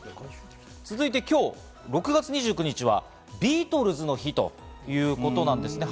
続いて今日、６月２９日はビートルズの日ということなんですね。